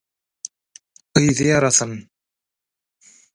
yzy ýarasyn!